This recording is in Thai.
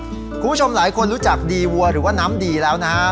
คุณผู้ชมหลายคนรู้จักดีวัวหรือว่าน้ำดีแล้วนะฮะ